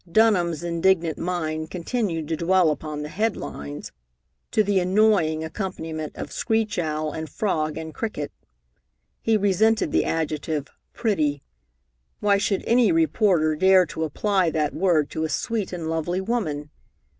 Dunham's indignant mind continued to dwell upon the headlines, to the annoying accompaniment of screech owl and frog and cricket. He resented the adjective "pretty." Why should any reporter dare to apply that word to a sweet and lovely woman?